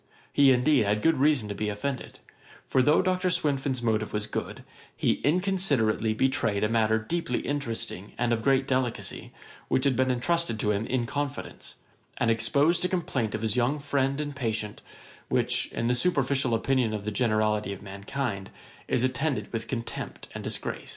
He indeed had good reason to be offended; for though Dr. Swinfen's motive was good, he inconsiderately betrayed a matter deeply interesting and of great delicacy, which had been entrusted to him in confidence; and exposed a complaint of his young friend and patient, which, in the superficial opinion of the generality of mankind, is attended with contempt and disgrace.